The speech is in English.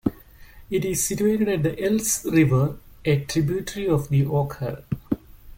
It is situated at the "Ilse" river, a tributary of the Oker.